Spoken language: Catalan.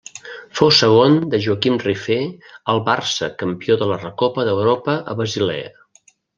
Fou segon de Joaquim Rifé al Barça campió de la Recopa d'Europa a Basilea.